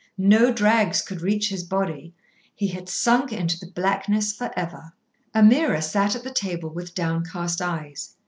No drags could reach his body. He had sunk into the blackness for ever. Ameerah sat at the table with downcast eyes.